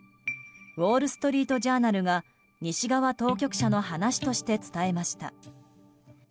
ウォール・ストリート・ジャーナルが西側当局者の話として伝えました。